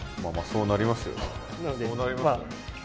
そうなりますよ。